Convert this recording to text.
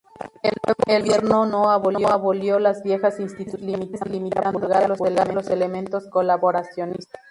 El nuevo gobierno no abolió las viejas instituciones, limitándose a purgar los elementos colaboracionistas.